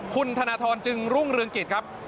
คุณธนทรจึงรุ่งเรืองกิจครับ